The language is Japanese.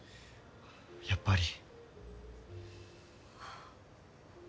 やっぱり。